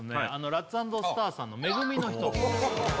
ラッツ＆スターさんの「め組のひと」